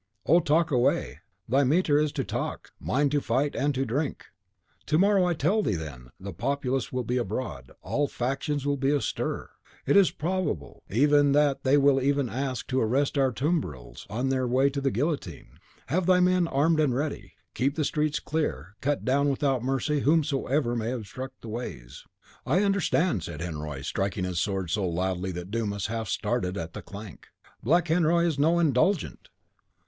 "Oh, talk away! thy metier is to talk, mine to fight and to drink." "To morrow, I tell thee then, the populace will be abroad; all factions will be astir. It is probable enough that they will even seek to arrest our tumbrils on their way to the guillotine. Have thy men armed and ready; keep the streets clear; cut down without mercy whomsoever may obstruct the ways." "I understand," said Henriot, striking his sword so loudly that Dumas half started at the clank, "Black Henriot is no 'Indulgent.